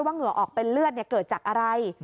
เหงื่อออกเป็นเลือดเกิดจากอะไร